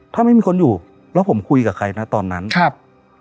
ถ้าไม่มีคนอยู่แล้วผมคุยกับใครนะตอนนั้นครับ